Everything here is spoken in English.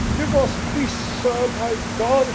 Give us peace, sir, by God!